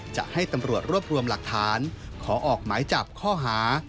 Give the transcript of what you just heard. จะให้ตำรวจรวบรวมหลักฐานขอออกหมายจับข้อหา